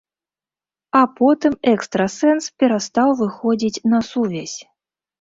А потым экстрасэнс перастаў выходзіць на сувязь.